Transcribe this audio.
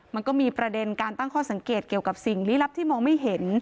มันก็มีประเด็นการตั้งข้อสังเกตเกี่ยวกับสิ่งลี้ลับที่มองไม่เห็น